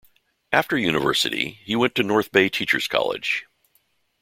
After university, he went to North Bay Teacher's College.